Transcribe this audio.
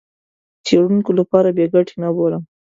د څېړونکو لپاره بې ګټې نه بولم.